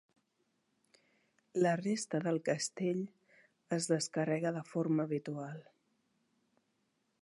La resta del castell es descarrega de forma habitual.